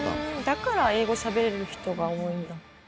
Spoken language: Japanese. だから英語しゃべれる人が多いんだ。